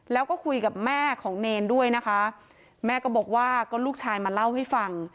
แล้วก็คุยกับแม่ของเนรด้วยนะคะแม่ก็บอกว่าก็ลูกชายมาเล่าให้ฟัง